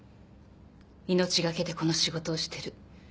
命懸けでこの仕事をしてる。